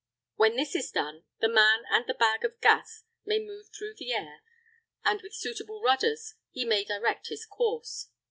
When this is done, the man and the bag of gas may move through the air, and with suitable rudders he may direct his course.